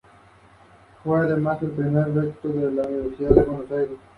En sus alrededores se encuentran varios edificios del Centro Financiero.